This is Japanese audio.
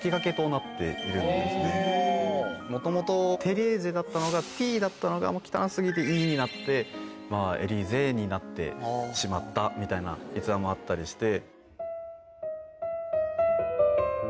もともと「テレーゼ」だったのが「Ｔ」だったのが汚過ぎて「Ｅ」になって「エリーゼ」になってしまったみたいな逸話もあったりして。